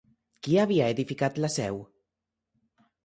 Qui havia edificat la Seu?